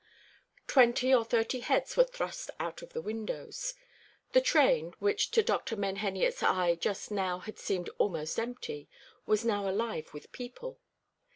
Twenty or thirty heads were thrust out of the windows. The train, which to Dr. Menheniot's eye just now had seemed almost empty, was now alive with people.